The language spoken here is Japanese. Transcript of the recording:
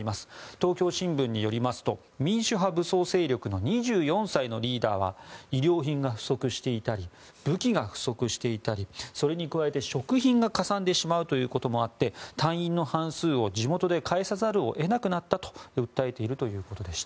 東京新聞によりますと民主派武装勢力の２４歳のリーダーは医療品が不足していたり武器が不足していたりそれに加えて食費がかさんでしまうということもあって隊員の半数を地元へ帰さざるを得なくなってしまったと訴える声もありました。